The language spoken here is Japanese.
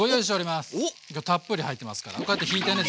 今日たっぷり入ってますからこうやってひいてね